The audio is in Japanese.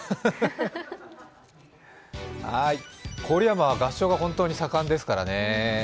郡山は合唱が本当に盛んですからね。